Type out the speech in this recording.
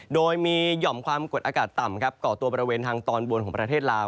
โดยมีหย่อมความกดอากาศต่ำก่อตัวบริเวณทางตอนบนของประเทศลาว